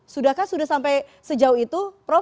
sudahkah sudah sampai sejauh itu prof